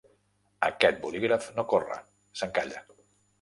Aquest bolígraf no corre, s'encalla.